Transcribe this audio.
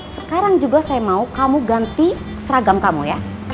sekarang juga saya mau kamu ganti seragam kamu ya